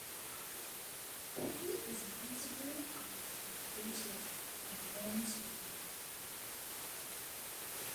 He is a principal of the Bigelow and Holmes studio.